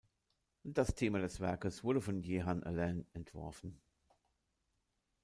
Das Thema des Werkes wurde von Jehan Alain entworfen.